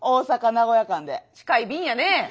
近い便やね！